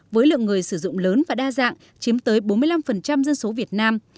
với lượng người sử dụng lớn và đa dạng chiếm tới bốn mươi năm dân số việt nam